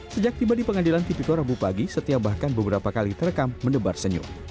sejak tiba di pengadilan tipikor rabu pagi setia bahkan beberapa kali terekam mendebar senyum